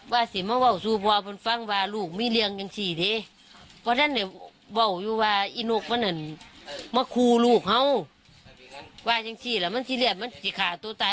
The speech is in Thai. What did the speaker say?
ว่าสิมันว่าสู่พ่อบนฟังว่าลูกไม่เรียงจังสิเท่าะ